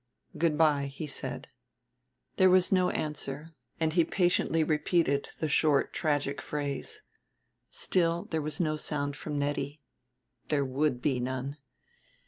"Good by," he said. There was no answer and he patiently repeated the short tragic phrase. Still there was no sound from Nettie. There would be none.